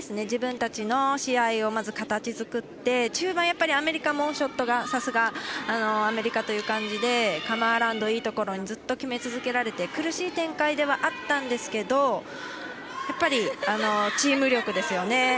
自分たちの試合をまず形作って中盤、アメリカもショットがさすがアメリカという感じでカム・アラウンドずっといいところに決め続けられて苦しい展開ではあったんですけどチーム力ですよね。